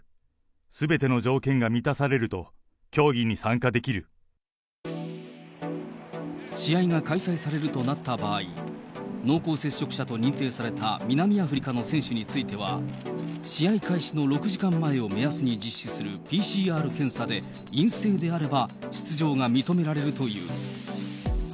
すべての条件が満たされると、競試合が開催されるとなった場合、濃厚接触者と認定された南アフリカの選手については、試合開始の６時間前を目安に実施するＰＣＲ検査で、陰性であれば出場が認められるという。